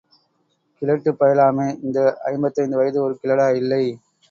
கிழட்டுப் பயலாமே... இந்த ஐம்பத்தைந்து வயது ஒரு கிழடா... இல்லை.